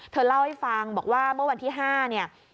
เธอเล่าให้ฟังบอกว่าเมื่อวันที่๕เนี่ย